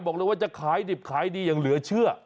บอกเลยว่าจะขายดิบขายดีอย่างเหลือเชื่อ